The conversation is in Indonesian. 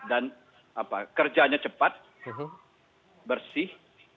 dan kerjanya cepat bersih